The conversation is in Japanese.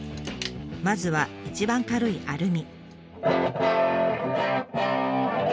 まずは一番軽いアルミ。